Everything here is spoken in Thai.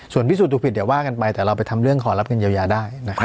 ส่วนพิสูจนถูกผิดเดี๋ยวว่ากันไปแต่เราไปทำเรื่องขอรับเงินเยียวยาได้นะครับ